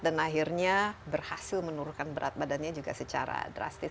dan akhirnya berhasil menurunkan berat badannya juga secara drastis